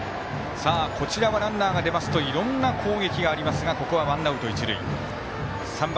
こちらはランナーが出ますといろんな攻撃がありますがワンアウト、ランナー、一塁。